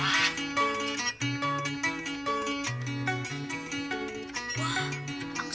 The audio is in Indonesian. wah angsa itu terumas